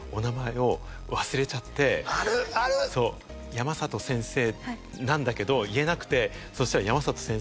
山里先生なんだけど言えなくてそしたら山里。